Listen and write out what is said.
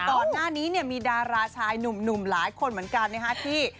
ก่อนหน้านี้เนี่ยมีดาราชายหนุ่มหลายคนเหมือนกันนะฮะที่